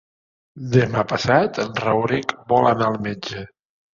Demà passat en Rauric vol anar al metge.